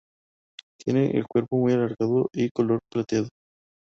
Tienen el cuerpo muy alargado y color plateado.